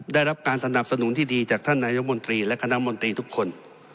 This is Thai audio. ได้รับการสนับสนุนที่ดีจากท่านนายกมนตรีและคณะมนตรีทุกคน